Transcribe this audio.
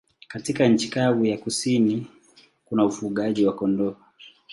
Katika nchi kavu ya kusini kuna ufugaji wa kondoo.